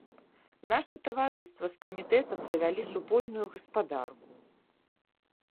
Наша таварыства з камітэтам завялі супольную гаспадарку.